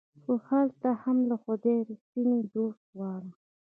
خو هلته هم له خدايه ريښتيني دوست غواړم